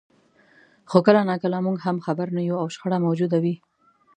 خو کله ناکله موږ خبر هم نه یو او شخړه موجوده وي.